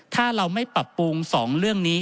ถ้าเราไม่ปรับปรุง๒เรื่องนี้